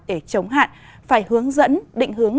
để chống hạn phải hướng dẫn định hướng